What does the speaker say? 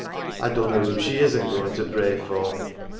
" I dunno who she isn't goin' to pray for.